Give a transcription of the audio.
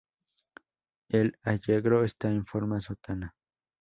El Allegro está en forma sonata.